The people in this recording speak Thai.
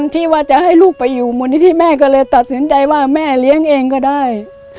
ที่ว่าจะให้ลูกไปอยู่มูลนิธิแม่ก็เลยตัดสินใจว่าแม่เลี้ยงเองก็ได้